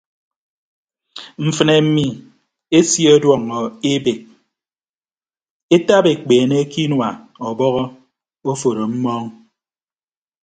Mfịnne mmi esie ọduọñọ ebeek etap ekpeene ke inua ọbọhọ oforo mmọọñ.